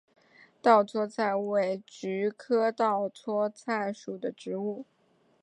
稻槎菜为菊科稻搓菜属的植物。